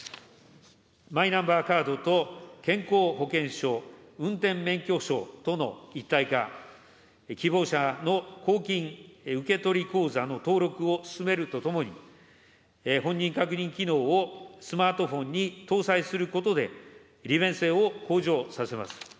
マイナンバーカードと、健康保険証、運転免許証との一体化、希望者の公金受取口座の登録を進めるとともに、本人確認機能をスマートフォンに搭載することで、利便性を向上させます。